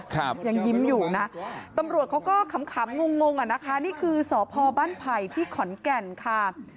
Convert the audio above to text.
ครับยังยิ้มอยู่นะตำรวจเขาก็ขำขำงงงอ่ะนะคะนี่คือสพบ้านไผ่ที่ขอนแก่นค่ะ